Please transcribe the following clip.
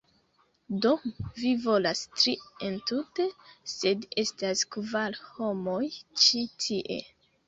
Do, vi volas tri entute, sed estas kvar homoj ĉi tie